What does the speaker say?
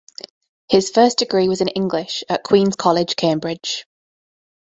His first degree was in English, at Queens' College, Cambridge.